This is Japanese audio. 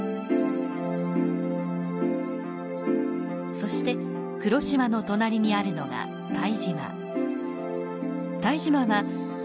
そして九龍島の隣にあるのが鯛島。